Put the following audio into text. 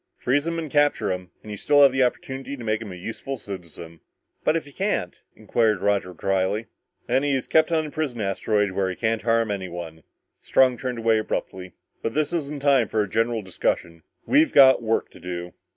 Freeze him and capture him, and you still have the opportunity of making him a useful citizen." "But if you can't?" inquired Roger dryly. "Then he's kept on the prison asteroid where he can't harm anyone." Strong turned away abruptly. "But this isn't the time for a general discussion. We've got work to do!"